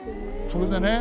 それでね